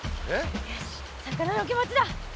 よし魚の気持ちだ。